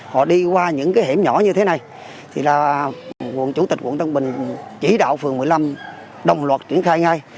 họ đi qua những cái hẻm nhỏ như thế này thì là quận chủ tịch quận tân bình chỉ đạo phường một mươi năm đồng loạt triển khai ngay